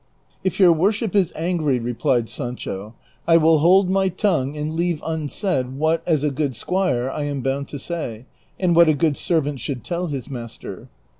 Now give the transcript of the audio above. '^ If your worship is angry," replied Sancho, " I will hold my tongue and leave unsaid what, as a good squire, I am bound to say, and what a good servant should tell his master."